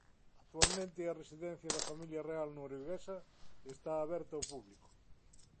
Actualmente é a residencia da familia real norueguesa e está aberta ao público.